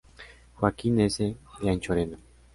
Joaquín S. de Anchorena.